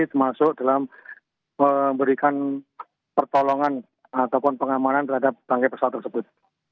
termasuk dalam memberikan pertolongan ataupun pengamanan terhadap bangkai pesawat tersebut